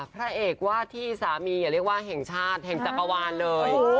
พระเอกวาดที่สามีอย่าเรียกว่าแห่งชาติแห่งจักรวาลเลย